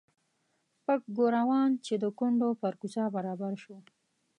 پک ګوروان چې د کونډو پر کوڅه برابر شو.